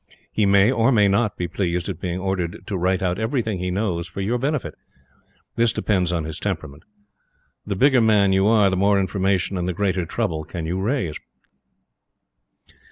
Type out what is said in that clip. He may or may not be pleased at being ordered to write out everything he knows for your benefit. This depends on his temperament. The bigger man you are, the more information and the greater trouble can you raise.